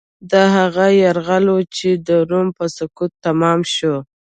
دا هغه یرغل و چې د روم په سقوط تمام شو.